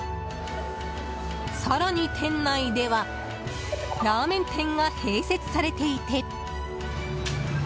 更に店内ではラーメン店が併設されていて。